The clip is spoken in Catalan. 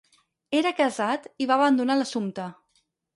Era casat i va abandonar l'assumpte.